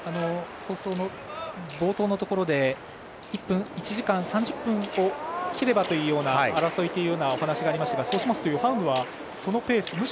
放送の冒頭のところで１時間３０分を切ればという争いというお話がありましたがそうしますとヨハウグはそのペース